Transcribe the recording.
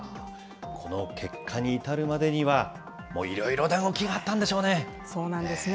この結果に至るまでには、いろいろな動きがあったんでしょうね。